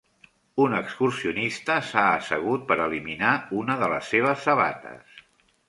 Un excursionista s'ha assegut per eliminar una de les seves sabates.